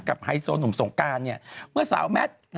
ไฮโซหนุ่มสงการเมื่อสาวแมท